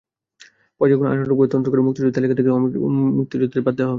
পর্যায়ক্রমে আইনানুগভাবে তদন্ত করে মুক্তিযোদ্ধার তালিকা থেকে অমুক্তিযোদ্ধাদের বাদ দেওয়া হবে।